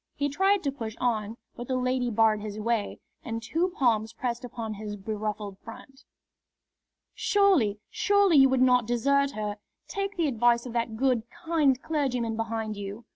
He tried to push on, but the lady barred his way and two palms pressed upon his beruffled front. "Surely, surely you would not desert her! Take the advice of that good, kind clergyman behind you!"